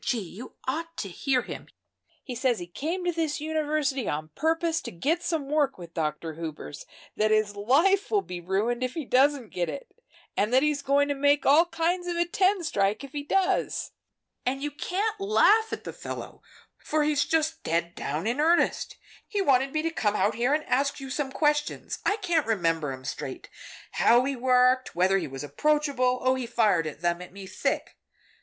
Gee! you ought to hear him. He says he came to this university on purpose to get some work with Dr. Hubers, that his life will be ruined if he doesn't get it, and that he's going to make all kinds of a ten strike, if he does. And you can't laugh at the fellow, for he's just dead down in earnest! He wanted me to come out here and ask you some questions I can't remember 'em straight. How he worked whether he was approachable. Oh, he fired them at me thick.